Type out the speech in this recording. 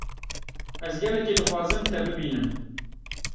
Ez gelekî dixwazim te bibînim.